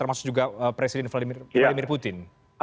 termasuk juga presiden vladimir putin